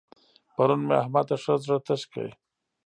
پرون مې احمد ته ښه زړه تش کړ.